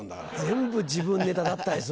全部自分ネタだったですもんね。